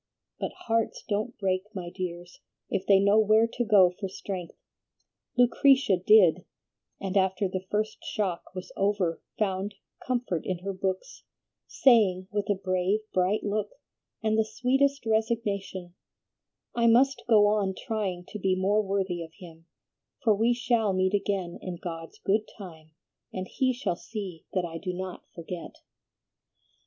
But hearts don't break, my dears, if they know where to go for strength. Lucretia did, and after the first shock was over found comfort in her books, saying, with a brave, bright look, and the sweetest resignation, 'I must go on trying to be more worthy of him, for we shall meet again in God's good time and he shall see that I do not forget.'